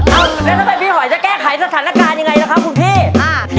อ้าวแล้วทำไมพี่หอยจะแก้ไขสถานการณ์ยังไงนะครับคุณพี่